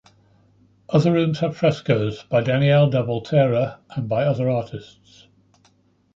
Other rooms have frescoes by Daniele da Volterra and by other artists.